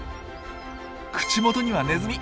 口元にはネズミ！